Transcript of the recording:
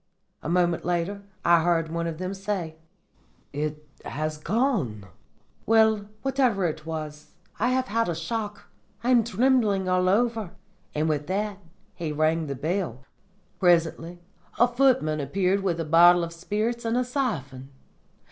"A moment later I heard one of them say, 'It has gone. Well, whatever it was, I have had a shock. I am trembling all over.' And with that he rang the bell. "Presently a footman appeared with a bottle of spirits and a siphon.